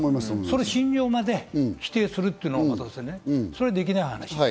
信条まで否定するというのはね、それはできない話。